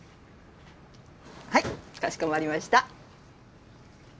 はいかしこまりました。